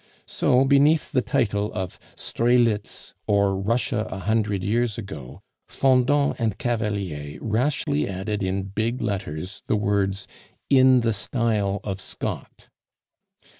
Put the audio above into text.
So beneath the title of Strelitz, or Russia a Hundred Years Ago, Fendant and Cavalier rashly added in big letters the words, "In the style of Scott."